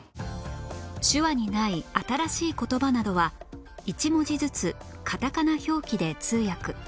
手話にない新しい言葉などは一文字ずつカタカナ表記で通訳